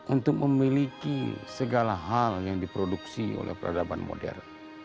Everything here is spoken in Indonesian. untuk memiliki segala hal yang diproduksi oleh peradaban modern